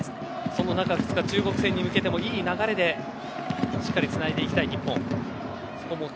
その中２日中国戦に向けてもいい流れでしっかりつないでいきたい日本。